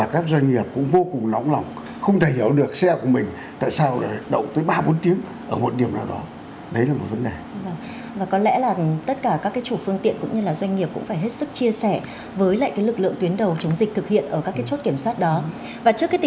các xe ô tô con ô tô tải công tờ nơ phải xếp hàng dài